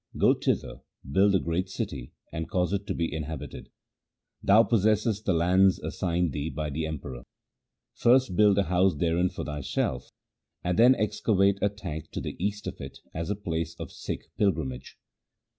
Go thither, build a great city, and cause it to be inhabited. Thou possessest the lands assigned thee by the Emperor. First build a house therein for thyself, and then excavate a tank to the east of it as a place of Sikh pilgrimage.'